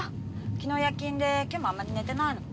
昨日夜勤で今日もあんまり寝てないの。